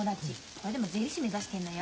これでも税理士目指してんのよ。